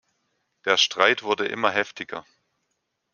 Der Streit wurde immer heftiger.